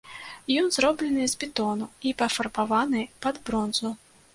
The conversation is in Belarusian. Ён зроблены з бетону і пафарбаваны пад бронзу.